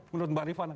menurut mbak rifana